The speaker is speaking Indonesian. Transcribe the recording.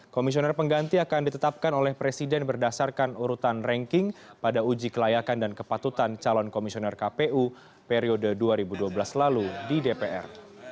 komisioner pengganti akan ditetapkan oleh presiden berdasarkan urutan ranking pada uji kelayakan dan kepatutan calon komisioner kpu periode dua ribu dua belas lalu di dpr